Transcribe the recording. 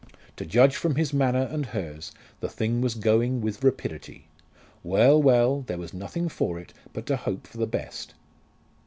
To judge from his manner and hers, the thing was going with rapidity. Well, well, there was nothing for it but to hope for the best.